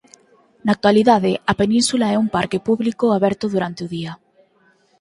Na actualidade a península é un parque público aberto durante o día.